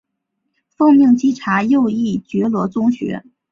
奉命稽查右翼觉罗宗学。